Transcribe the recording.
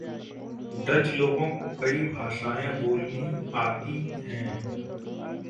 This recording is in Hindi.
डच लोगों को कई भाषाएँ बोलनी आती हैं।